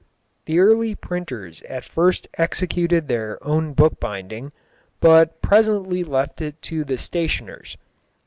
The early printers at first executed their own bookbinding, but presently left it to the stationers.